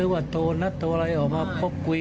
มันก็หนีเหรอ